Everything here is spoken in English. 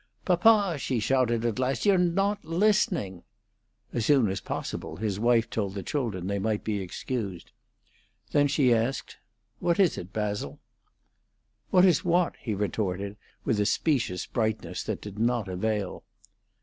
"Papa!" she shouted at last, "you're not listening!" As soon as possible his wife told the children they might be excused. Then she asked, "What is it, Basil?" "What is what?" he retorted, with a specious brightness that did not avail.